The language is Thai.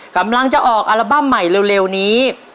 กำลังจะออกอัลบั้มใหม่เร็วนี้